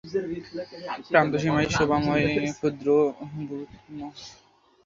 প্রান্তসীমায় শোভাময় ক্ষুদ্রবুরুজসহ এগুলির বাইরের দিকে রয়েছে অভিক্ষেপ।